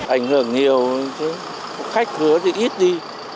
ảnh hưởng nhiều chứ khách hứa thì ít đi